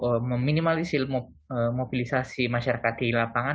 untuk meminimalisir mobilisasi masyarakat di lapangan